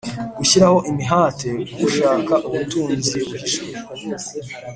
gushyiraho imihate nk ushaka ubutunzi buhishwe